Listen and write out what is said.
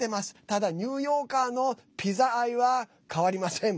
ただ、ニューヨーカーのピザ愛は変わりません。